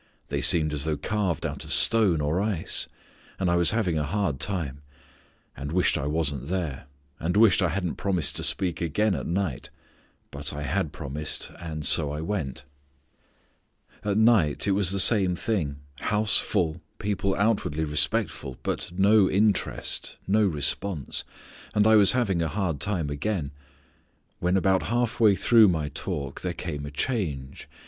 They seemed as though carved out of stone or ice. And I was having a hard time: and wished I wasn't there; and wished I hadn't promised to speak again at night. But I had promised, and so I went. "At night it was the same thing: house full, people outwardly respectful, but no interest, no response. And I was having a hard time again. When about half way through my talk there came a change.